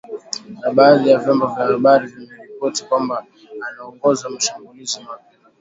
Na badhi ya vyombo vya habari vimeripoti kwamba anaongoza mashambulizi mapya.